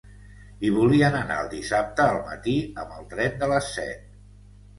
Hi volien anar el dissabte al matí amb el tren de les set.